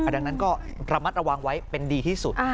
ดังนั้นก็ระมัดระวังไว้เป็นดีที่สุด